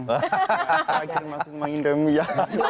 lagi masih main remya